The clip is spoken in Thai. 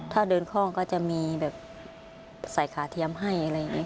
ถ้าเดินคล่องก็จะมีแบบใส่ขาเทียมให้อะไรอย่างนี้